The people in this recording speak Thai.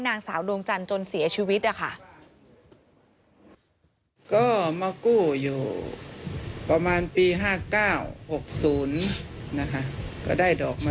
นางสาวดวงจันทร์จนเสียชีวิตนะคะ